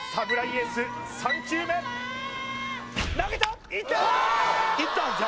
エース３球目投げたいった！